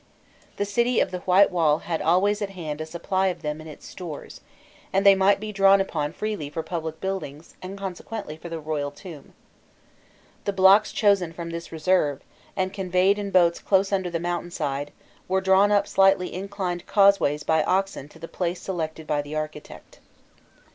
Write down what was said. The city of the White Wall had always at hand a supply of them in its stores, and they might be drawn upon freely for public buildings, and consequently for the royal tomb. The blocks chosen from this reserve, and conveyed in boats close under the mountain side, were drawn up slightly inclined causeways by oxen to the place selected by the architect.